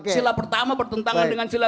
sila pertama bertentangan dengan sila